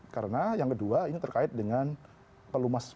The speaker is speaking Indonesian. karena yang kedua ini terkait dengan pelumas perut